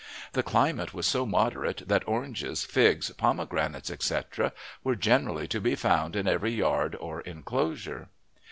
The climate was so moderate that oranges, figs, pomegranates, etc.... were generally to be found in every yard or inclosure.